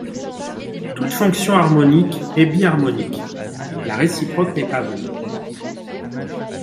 Toute fonction harmonique est biharmonique — la réciproque n'est pas vraie.